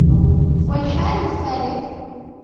وَالْحَالُ الثَّالِثُ